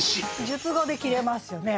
述語で切れますよね。